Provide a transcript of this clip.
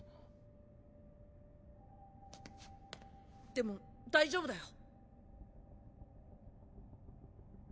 でも大丈夫だよ。